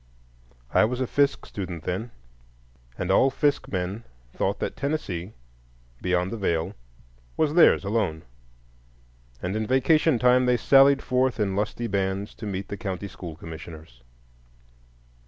I was a Fisk student then, and all Fisk men thought that Tennessee—beyond the Veil—was theirs alone, and in vacation time they sallied forth in lusty bands to meet the county school commissioners.